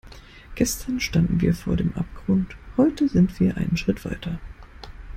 Gestern standen wir vor dem Abgrund, heute sind wir einen Schritt weiter.